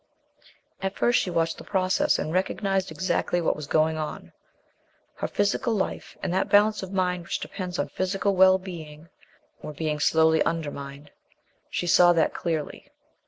At first she watched the process, and recognized exactly what was going on. Her physical life, and that balance of mind which depends on physical well being, were being slowly undermined. She saw that clearly.